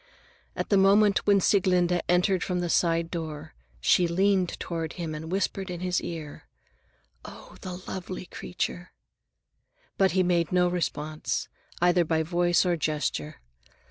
At the moment when Sieglinde entered from the side door, she leaned toward him and whispered in his ear, "Oh, the lovely creature!" But he made no response, either by voice or gesture.